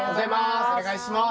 お願いします。